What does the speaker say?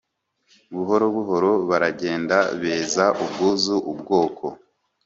buhoro buhoro baragenda, beza, ubwuzu, ubwoko;